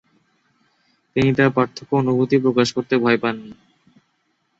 তিনি তার পার্থক্য অনুভূতি প্রকাশ করতে ভয় পাননি।